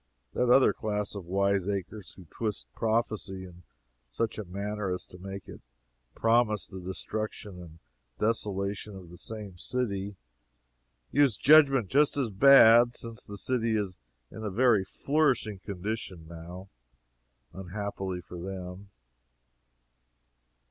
That other class of wiseacres who twist prophecy in such a manner as to make it promise the destruction and desolation of the same city, use judgment just as bad, since the city is in a very flourishing condition now, unhappily for them.